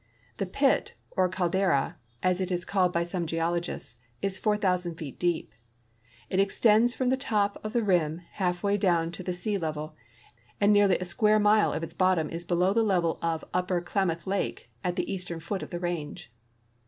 The pit or caldera, as it is called by some geologists, is 4,000 feet deep. It extends from the top of the rim half way down to the sea level, and nearly a square mile of its bottom is below the level of Upper Klamath lake at the eastern foot of the range.